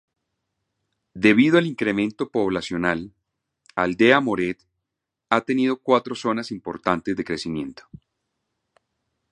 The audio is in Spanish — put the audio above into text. Debido al incremento poblacional, Aldea Moret ha tenido cuatro zonas importante de crecimiento.